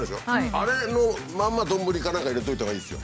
あれのまんま丼か何かに入れておいたほうがいいですよ。